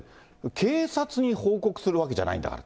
警察に報告するわけじゃないんだから。